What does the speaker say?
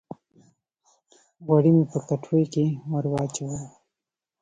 غوړي مې په کټوۍ کښې ور واچول